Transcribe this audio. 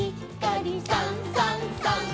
「さんさんさん」